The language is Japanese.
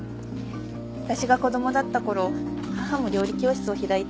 私が子供だった頃母も料理教室を開いてて。